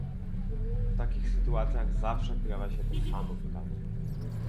W takich sytuacjach zawsze pojawia się to samo pytanie